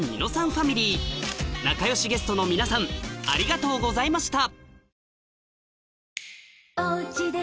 ファミリー仲良しゲストの皆さんありがとうございました